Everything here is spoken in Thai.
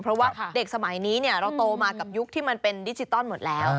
เพราะว่าเด็กสมัยนี้เราโตมากับยุคที่มันเป็นดิจิตอลหมดแล้ว